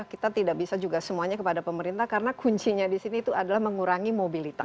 kita tidak bisa juga semuanya kepada pemerintah karena kuncinya di sini itu adalah mengurangi mobilitas